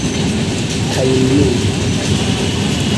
Kaj nun...